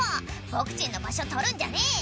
僕ちんの場所取るんじゃねえ」